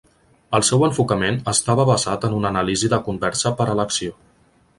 El seu enfocament estava basat en una anàlisi de conversa per a l'acció.